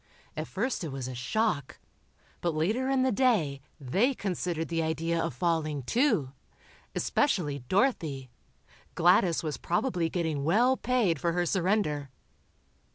At first it was a shock, but later in the day they considered the idea of falling, too. Especially Dorothy. Gladys was probably getting well paid for her surrender.